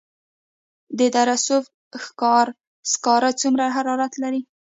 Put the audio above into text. د دره صوف سکاره څومره حرارت لري؟